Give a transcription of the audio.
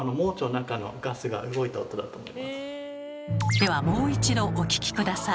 ではもう一度お聞き下さい。